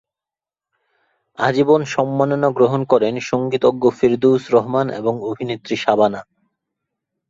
আজীবন সম্মাননা গ্রহণ করেন সঙ্গীতজ্ঞ ফেরদৌসী রহমান এবং অভিনেত্রী শাবানা।